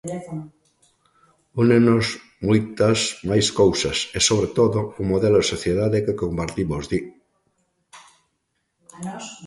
"Únennos moitas máis cousas e, sobre todo, un modelo de sociedade que compartimos", di.